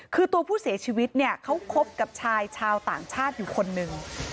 คือตัวผู้เสียชีวิตเนี่ยเขาคบกับชายชาวต่างชาติอยู่คนหนึ่ง